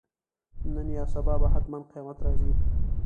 نن یا سبا به حتماً قیامت راځي.